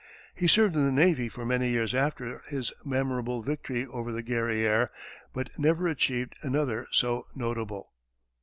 He served in the navy for many years after his memorable victory over the Guerrière, but never achieved another so notable.